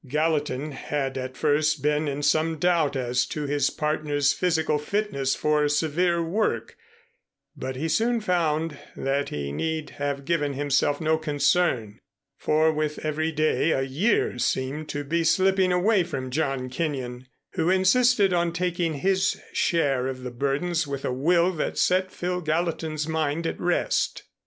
Gallatin had at first been in some doubt as to his partner's physical fitness for severe work, but he soon found that he need have given himself no concern, for with every day a year seemed to be slipping away from John Kenyon, who insisted on taking his share of the burdens with a will that set Phil Gallatin's mind at rest.